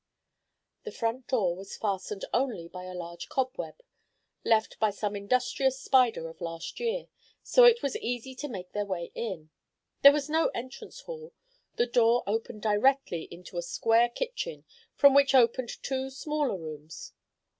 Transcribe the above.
The front door was fastened only by a large cobweb, left by some industrious spider of last year, so it was easy to make their way in. There was no entrance hall. The door opened directly into a square kitchen, from which opened two smaller rooms.